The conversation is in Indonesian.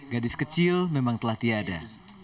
gadis kecil memang telah tiada